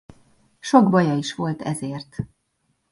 Sok baja is volt ezért.